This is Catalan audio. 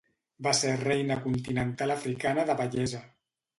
Va ser Reina Continental Africana de Bellesa.